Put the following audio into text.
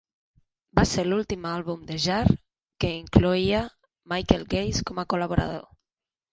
Va ser l'últim àlbum de Jarre que incloïa Michel Geiss com a col·laborador.